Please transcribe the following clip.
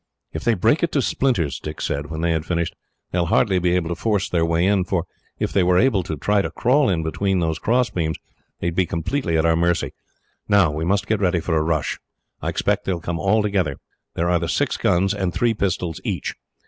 "If they break it to splinters," Dick said, when they had finished, "they will hardly be able to force their way in, for if they were to try to crawl in between those crossbeams, they would be completely at our mercy. "Now, we must get ready for a rush. I expect they will come all together. There are the six guns, and three pistols each.